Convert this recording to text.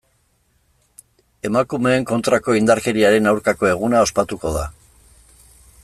Emakumeen kontrako indarkeriaren aurkako eguna ospatuko da.